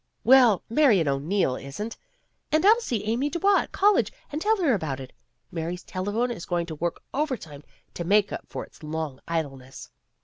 "Well, Marian O'Neil isn't. And I'll see Aimee Dubois at college and tell her about it. Mary's telephone is going to work overtime to make up for its long idleness."